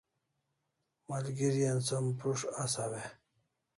Malgeri an som prus't asaw e?